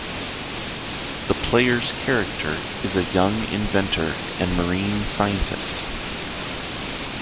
The player's character is a young inventor and marine scientist.